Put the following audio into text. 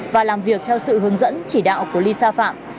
và làm việc theo sự hướng dẫn chỉ đạo của lisa phạm